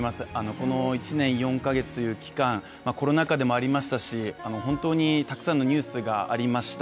この１年４か月という期間コロナ禍でもありましたし本当にたくさんのニュースがありました。